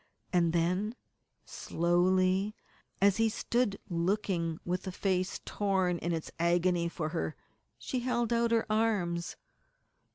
And then, slowly, as he stood looking with a face torn in its agony for her, she held out her arms.